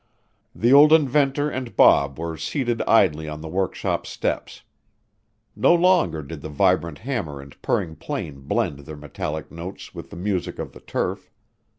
The old inventor and Bob were seated idly on the workshop steps. No longer did the vibrant hammer and purring plane blend their metallic notes with the music of the surf.